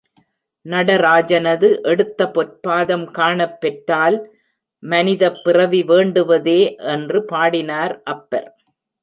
நடராஜனது எடுத்த பொற்பாதம் காணப் பெற்றால், மனிதப் பிறவி வேண்டுவதே என்று பாடினார் அப்பர்.